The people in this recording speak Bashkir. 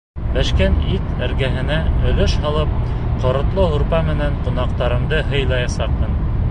Бешкән ит эргәһенә өлөш һалып, ҡоротло һурпа менән ҡунаҡтарымды һыйлаясаҡмын.